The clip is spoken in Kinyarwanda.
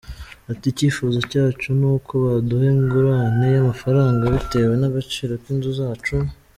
Ati” Icyifuzo cyacu nuko baduha ingurane y’amafaranga bitewe n’agaciro k’inzu zacu.